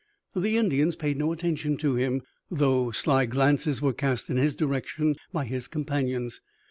The Indians paid no attention to him, though sly glances were cast in his direction by his companions.